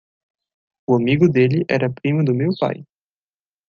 O amigo dele era primo do meu pai.